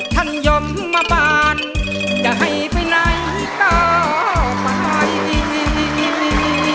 ยมมาบานจะให้ไปไหนต่อไป